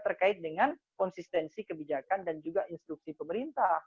terkait dengan konsistensi kebijakan dan juga instruksi pemerintah